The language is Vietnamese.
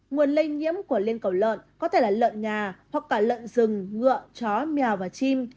nguồn lây nhiễm của liên cầu lợn có thể là lợn nhà hoặc cả lợn rừng ngựa chó mèo và chim